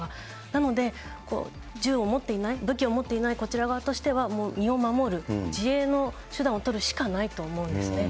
なので、銃を持っていない、武器を持っていないこちら側としては、もう身を守る、自衛の手段を取るしかないと思うんですね。